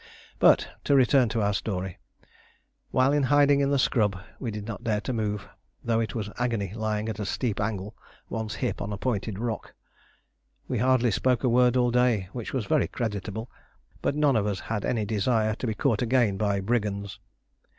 But to return to our story. While in hiding in the scrub we did not dare to move, though it was agony lying at a steep angle, one's hip on a pointed rock. We hardly spoke a word all day, which was very creditable; but none of us had any desire to be caught again by brigands.